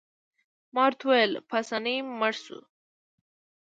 ما ورته وویل: پاسیني مړ شو.